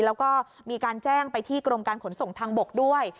แล้วก็มีการแจ้งไปที่กรมการขนส่งทางบกด้วย